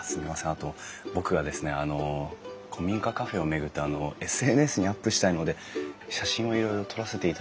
あと僕がですねあの古民家カフェを巡ってＳＮＳにアップしたいので写真をいろいろ撮らせていただいてもよろしいですか？